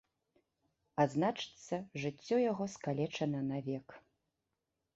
А значыцца, жыццё яго скалечана навек.